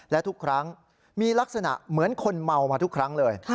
และทุกครั้งมีลักษณะเหมือนคนเมามาทุกครั้งเลย